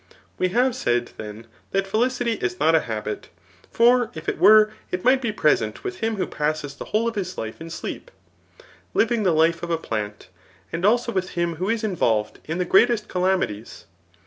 We; have said, then, that felicity is not a habit ; for if it were, it might be present with him who passes the whole of his life in sleep^ jiving the life of a plant, and .also with him who is involved in the greatest calamities.